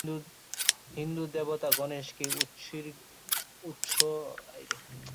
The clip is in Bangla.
হিন্দু দেবতা গণেশকে উৎসর্গীকৃত এই মন্দিরটিতে রাম ও দুর্গার মূর্তিও অবস্থিত।